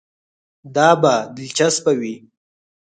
دا به دلچسپه وي.